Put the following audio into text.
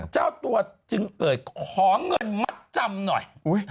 เจ้าตัวจึงเอ่ยขอเงินมัดจำหน่อย